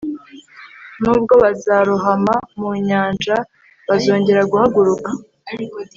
nubwo bazarohama mu nyanja bazongera guhaguruka